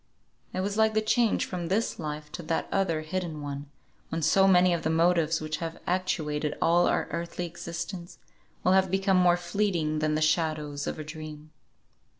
It was like the change from this Life to that other hidden one, when so many of the motives which have actuated all our earthly existence, will have become more fleeting than the shadows of a dream.